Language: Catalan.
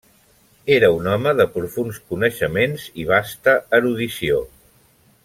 Era un home de profunds coneixements i vasta erudició.